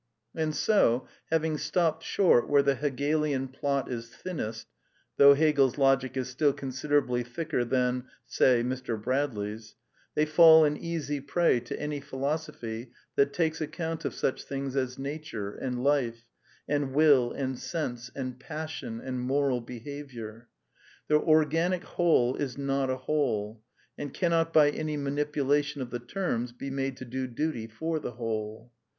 And so, having stopped short where the Hegelian plot is thinnest (though Hegel's " Logic " is still considerably thicker than, say, Mr. Bradley's), they fall an easy prey to any phi ^^ y losophy that takes account of such things as nature, and yC^\ life, and will, and sense, and passion, and moral behaviour/ ^ Their organic whole is not a whole, and cannot by any manipulation of the terms be made to do duty for the whole.